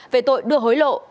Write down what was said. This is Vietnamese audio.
về tội đưa hối lộ